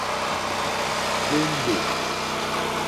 Hwémbè.